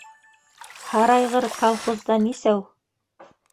Һарайғыр колхозда нисәү?